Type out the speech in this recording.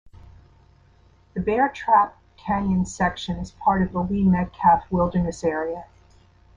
The Bear Trap Canyon section is part of the Lee Metcalf Wilderness area.